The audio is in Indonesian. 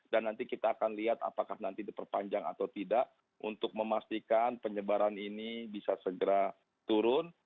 dan nanti kita akan lihat apakah nanti diperpanjang atau tidak untuk memastikan penyebaran ini bisa segera turun